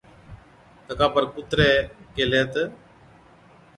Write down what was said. تڪا پر ڪُترَي ڪيهلَي تہ،